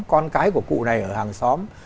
con cái của cụ này ở hàng xóm